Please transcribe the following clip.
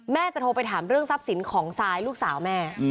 จะโทรไปถามเรื่องทรัพย์สินของซายลูกสาวแม่